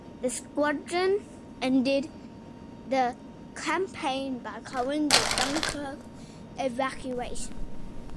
The squadron ended the campaign by covering the Dunkirk evacuation.